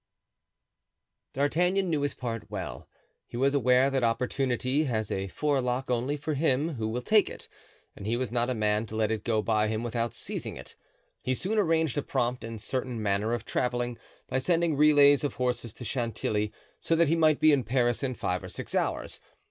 D'Artagnan knew his part well; he was aware that opportunity has a forelock only for him who will take it and he was not a man to let it go by him without seizing it. He soon arranged a prompt and certain manner of traveling, by sending relays of horses to Chantilly, so that he might be in Paris in five or six hours.